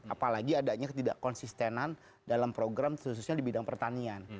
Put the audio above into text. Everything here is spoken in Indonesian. apalagi adanya ketidak konsistenan dalam program khususnya di bidang pertanian